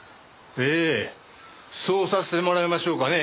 ええそうさせてもらいましょうかね